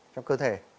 trong cơ thể